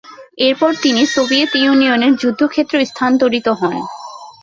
এরপর তিনি সোভিয়েত ইউনিয়নের যুদ্ধক্ষেত্রে স্থানান্তরিত হন।